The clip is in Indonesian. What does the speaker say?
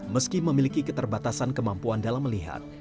meski memiliki keterbatasan kemampuan dalam melihat